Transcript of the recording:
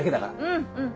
うんうん